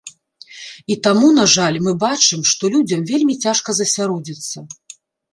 І таму, на жаль, мы бачым, што людзям вельмі цяжка засяродзіцца.